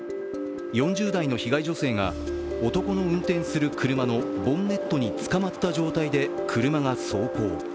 ４０代の被害女性が男の運転する車のボンネットにつかまった状態で車が走行。